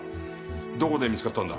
どこで見つかったんだ？